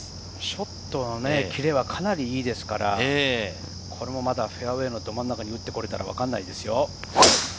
ショットの切れはかなりいいですから、フェアウエーのど真ん中に打ってこられたら、わからないですよ。